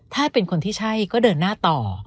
ถ้าเป็นคนที่ใช่ก็เดินหน้าต่อ